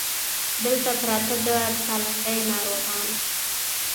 دلته پراته د سالنډۍ ناروغان